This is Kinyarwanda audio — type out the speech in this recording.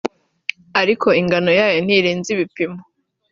ariko ingano yayo ntirenze ibipimo